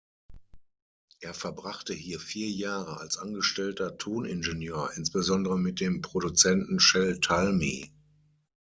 Er verbrachte hier vier Jahre als angestellter Toningenieur, insbesondere mit dem Produzenten Shel Talmy.